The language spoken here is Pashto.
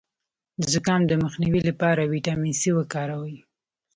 د زکام د مخنیوي لپاره ویټامین سي وکاروئ